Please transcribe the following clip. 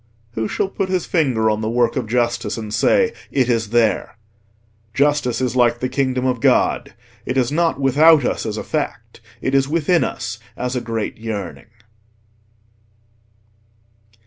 Who shall put his finger on the work of justice, and say, "It is there"? Justice is like the Kingdom of God—it is not without us as a fact, it is within us as a great yearning.